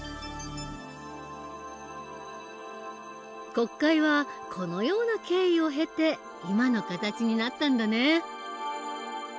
国会はこのような経緯を経て今の形になったんだね。